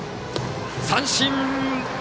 三振！